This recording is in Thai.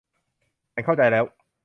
ฉันเข้าใจแล้ว